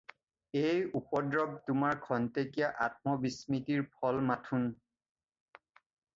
এই উপদ্ৰৱ তোমাৰ ক্ষন্তেকীয়া আত্ম-বিস্মৃতিৰ ফল মাথোন।